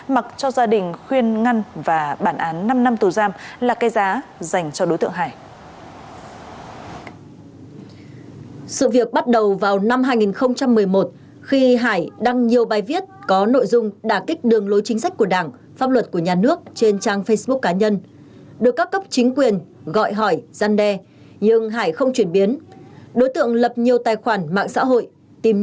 mặc cho gia đình khuyên ngăn và bản án năm năm tù giam là cây giá dành cho đối tượng hải